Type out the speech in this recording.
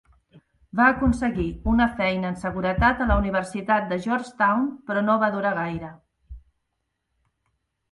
Va aconseguir una feina en seguretat a la Universitat de Georgetown, però no va durar gaire.